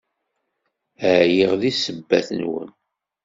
Ɛyiɣ seg ssebbat-nwen!